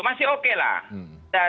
masih oke lah